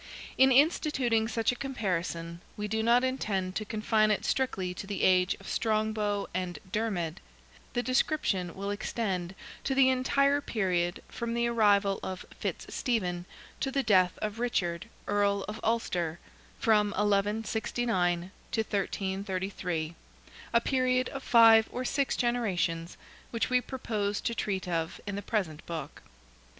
In instituting such a comparison, we do not intend to confine it strictly to the age of Strongbow and Dermid; the description will extend to the entire period from the arrival of Fitzstephen to the death of Richard, Earl of Ulster—from 1169 to 1333—a period of five or six generations, which we propose to treat of in the present book.